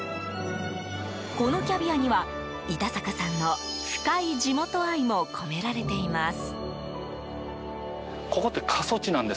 このキャビアには、板坂さんの深い地元愛も込められています。